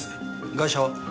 ガイシャは？